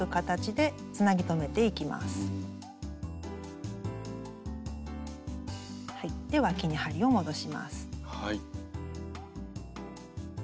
でわきに針を戻します。